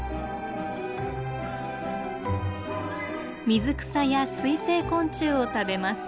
水草や水生昆虫を食べます。